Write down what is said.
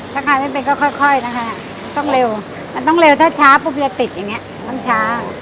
ถ้าใครไม่เป็นก็ค่อยนะคะต้องเร็วมันต้องเร็วถ้าช้าปุ๊บเรือติดอย่างนี้ต้องช้า